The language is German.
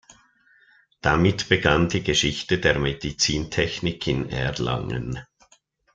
Damit begann die Geschichte der Medizintechnik in Erlangen.